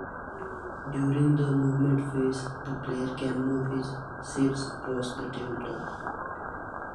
During the Movement Phase, the player can move his ships across the tabletop.